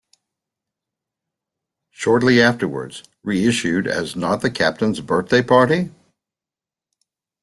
Shortly afterwards re-issued as Not The Captain's Birthday Party?